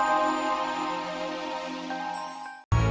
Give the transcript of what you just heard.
kamu mau ke hairst register campus